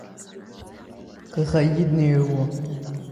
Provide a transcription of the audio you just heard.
ክኸይድ ነይርዎ።